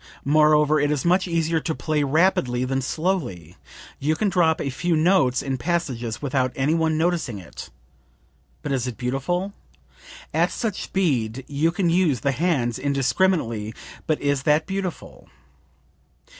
Moreover it is much easier to play rapidly than slowly; you can drop a few notes in passages without any one noticing it. But is it beautiful? At such speed you can use the hands indiscriminately; but is that beautiful?"